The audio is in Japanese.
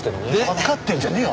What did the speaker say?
わかってんじゃねえよ！